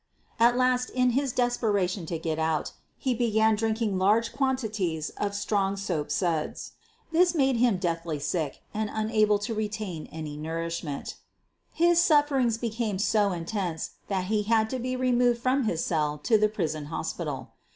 At last, in his desperation to get out, he began drinking large quantities of strong soap suds. This made him deathly sick and unable 80 SOPHIE LYONS to retain any nourishment. His sufferings became so intense that he had to be removed from his cell to the prison hospital.